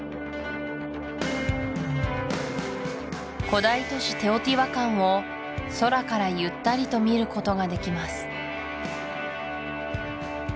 古代都市テオティワカンを空からゆったりと見ることができます